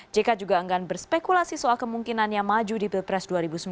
jk juga enggan berspekulasi soal kemungkinannya maju di pilpres dua ribu sembilan belas